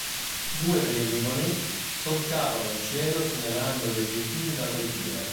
Due velivoli solcavano il cielo segnalando gli obbiettivi da colpire.